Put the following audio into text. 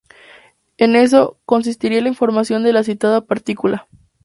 En eso consistiría la información de la citada partícula.